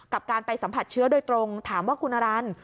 การไปสัมผัสเชื้อโดยตรงถามว่าคุณอรันทร์